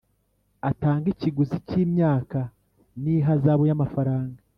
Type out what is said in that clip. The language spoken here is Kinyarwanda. Atange ikiguzi cy’imyaka n’ihazabu y’amafaranga